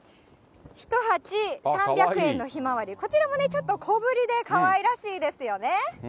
１鉢３００円のひまわり、こちらもちょっと小ぶりでかわいらしいですよね。